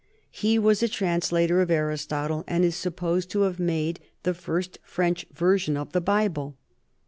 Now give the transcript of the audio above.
He was a translator of Aristotle, and is supposed to have made the first French version of the Bible.